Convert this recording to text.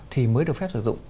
thì mới được phép sử dụng